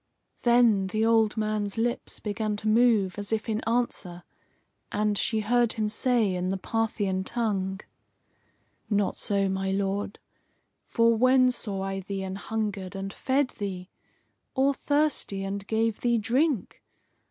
Then the old man's lips began to move, as if in answer, and she heard him say in the Parthian tongue: "Not so, my Lord! For when saw I thee an hungered and fed thee? Or thirsty, and gave thee drink?